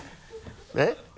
えっ？